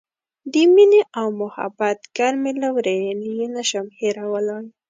د مینې او محبت ګرمې لورینې یې نه شم هیرولای.